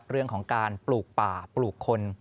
เรื่องของการปลูกป่าปลูกคน